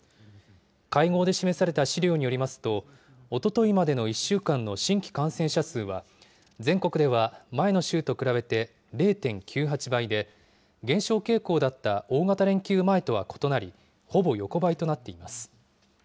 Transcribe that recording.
会合で示された資料によりますと、おとといまでの１週間の新規感染者数は、全国では前の週と比べて０．９８倍で、減少傾向だった大型連休前とは異なり、ほぼ横ばいとなっています。